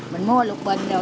mình mua lục bình rồi